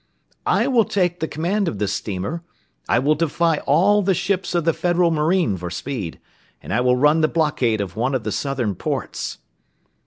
"I will take the command of this steamer, I will defy all the ships of the Federal marine for speed, and I will run the blockade of one of the southern ports."